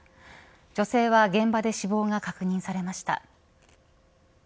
女性は現場で死亡が確認されました。